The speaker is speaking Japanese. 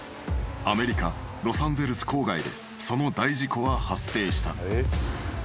アメリカロサンゼルス郊外でその大事故は発生した］